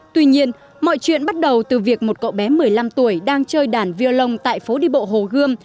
tuy nhiên mọi chuyện bắt đầu từ việc một cậu bé một mươi năm tuổi đang chơi đàn violon tại phố đi bộ hồ gươm